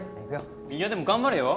いやでも頑張れよ